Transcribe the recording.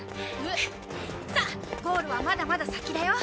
さあゴールはまだまだ先だよ。